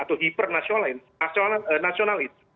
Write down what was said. atau hiper nasionalis